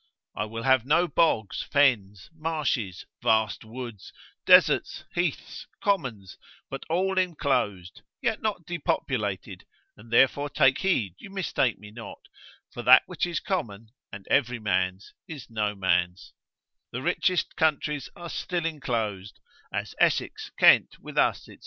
I will have no bogs, fens, marshes, vast woods, deserts, heaths, commons, but all enclosed; (yet not depopulated, and therefore take heed you mistake me not) for that which is common, and every man's, is no man's; the richest countries are still enclosed, as Essex, Kent, with us, &c.